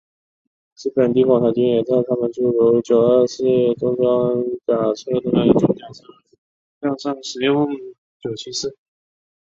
日本帝国海军也在他们诸如九二式重装甲车的装甲车辆上使用九七式。